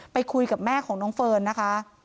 ไปคุยกับแม่ของน้องเฟิร์นนะคะ